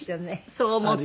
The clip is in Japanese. そう思って。